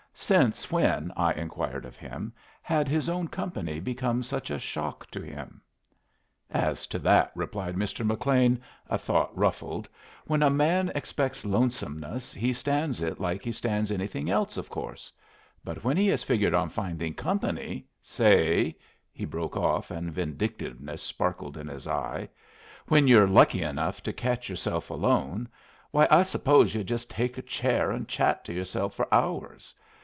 Since when, I inquired of him, had his own company become such a shock to him? "As to that," replied Mr. McLean, a thought ruffled, "when a man expects lonesomeness he stands it like he stands anything else, of course. But when he has figured on finding company say " he broke off (and vindictiveness sparkled in his eye) "when you're lucky enough to catch yourself alone, why, I suppose yu' just take a chair and chat to yourself for hours.